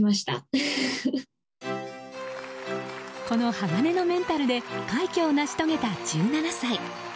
この鋼のメンタルで快挙を成し遂げた１７歳。